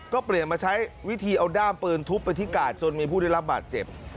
ก็เปลี่ยนมาใช้วิธีเอาด้ามปืนทุบไปที่กาดจนมีผู้ได้รับบาดเจ็บ